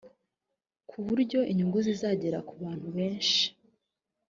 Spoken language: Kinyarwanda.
ku buryo inyungu zizagera ku bantu benshi